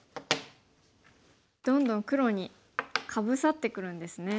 どんどん黒にかぶさってくるんですね。